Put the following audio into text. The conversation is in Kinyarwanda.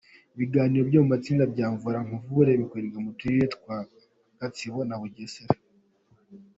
Ibiganiro mu matsinda bya Mvura nkuvure byo bikorerwa mu turere twa Gatsibo na Bugesera.